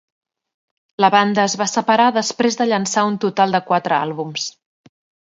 La banda es va separar després de llançar un total de quatre àlbums.